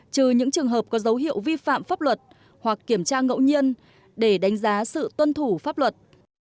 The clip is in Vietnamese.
trừ những trường hợp có dấu hiệu vi phạm pháp luật hoặc kiểm tra ngẫu nhiên để đánh giá sự tuân thủ pháp luật